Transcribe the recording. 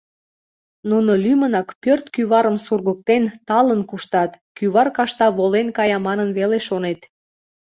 Нуно лӱмынак, пӧрт кӱварым сургыктен, талын куштат, кӱвар кашта волен кая манын веле шонет.